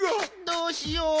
「どうしよう」。